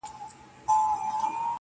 اوبه کړی مو په وینو دی ګلشن خپل.!